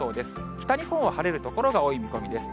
北日本は晴れる所が多い見込みです。